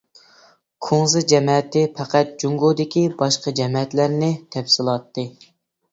كۇڭزى جەمەتى پەقەت جۇڭگودىكى باشقا جەمەتلەرنى. تەپسىلاتى.